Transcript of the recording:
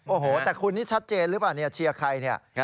โอ้โหแต่คุณนี่ชัดเจนหรือเปล่าเนี่ยเชียร์ใครเนี่ย